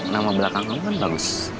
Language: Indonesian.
nama belakang kamu kan bagus